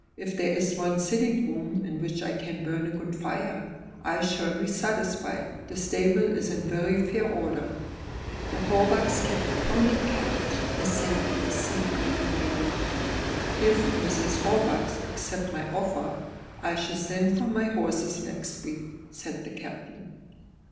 If there is one sitting room in which I can burn a good fire, I shall be satisfied. The stable is in very fair order." "The Hawbucks kept a pony carriage," assented the sea green lady. "If Mrs. Hawbuck accepts my offer, I shall send for my horses next week," said the Captain.